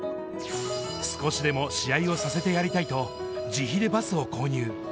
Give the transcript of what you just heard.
少しでも試合をさせてやりたいと、自費でバスを購入。